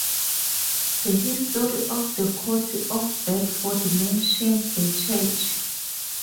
The history of the county of Bedford mentions the church.